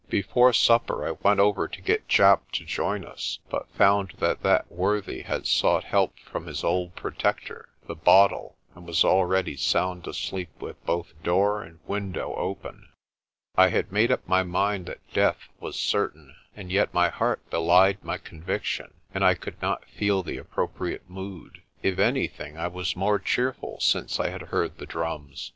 Before supper I went over to get Japp to join us, but found that that worthy had sought help from his old protector, the bottle, and was already sound asleep with both door and window open. I had made up my mind that death was certain, and yet my heart belied my conviction, and I could not feel the appropriate mood. If anything, I was more cheerful since I had heard the drums.